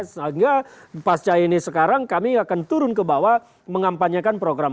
sehingga pasca ini sekarang kami akan turun ke bawah mengampanyekan program